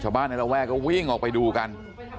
ชาวบ้านไอ้เราแวกเขาวิ่งกันออกไปดูกัน